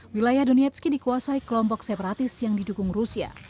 wilayah donetski dikuasai kelompok separatis yang didukung rusia